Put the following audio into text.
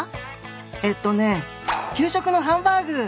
えっとね給食のハンバーグ！